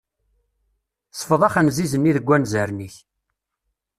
Sfeḍ axenziz-nni deg anzaren-ik.